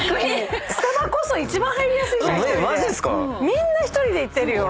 みんな１人で行ってるよ。